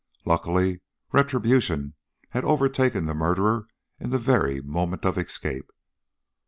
Luckily retribution had overtaken the murderer in the very moment of escape.